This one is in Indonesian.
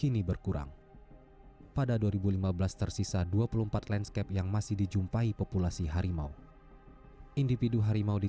ini kemungkinan satu sedang belajar berburu